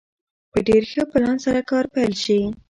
په ډېر ښه پلان سره کار پيل شي.